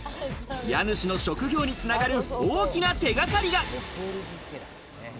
家主の職業に繋がる大きな手掛かりが。